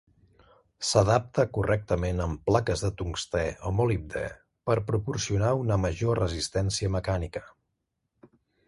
S'adapta correctament amb plaques de tungstè o molibdè per proporcionar una major resistència mecànica.